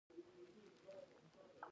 دا فشار کیدای شي د مبارزې یو اساسي هدف وي.